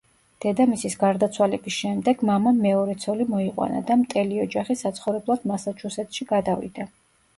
დედამისის გარდაცვალების შემდეგ, მამამ მეორე ცოლი მოიყვანა და მტელი ოჯახი საცხოვრებლად მასაჩუსეტსში გადავიდა.